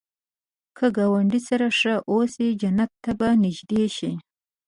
که ګاونډي سره ښه اوسې، جنت ته به نږدې شې